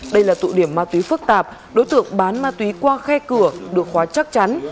đây là tụ điểm ma túy phức tạp đối tượng bán ma túy qua khe cửa được khóa chắc chắn